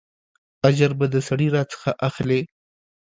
اجر به د سړي راڅخه اخلې.